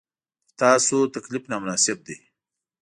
پر تاسو تکلیف نامناسب دی.